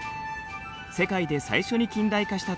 世界で最初に近代化した都市